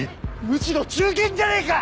むしろ忠犬じゃねえか！